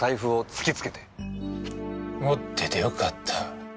持っててよかった。